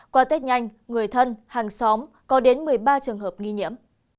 qua tết nhanh người thân hàng xóm có đến một mươi ba trường hợp nghi nhiễm